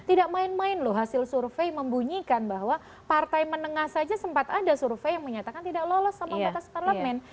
jadi itu juga loh hasil survei membunyikan bahwa partai menengah saja sempat ada survei yang menyatakan tidak lolos sama ambang batas parlement